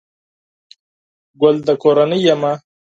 گل دکورنۍ يمه